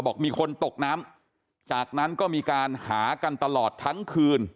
บอกมีคนตกน้ำจากนั้นก็มีการหากันตลอดทั้งคืน